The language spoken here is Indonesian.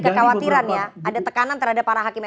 kekhawatiran ya ada tekanan terhadap para hakim yang